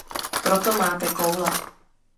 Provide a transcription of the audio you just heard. Proto máte koule.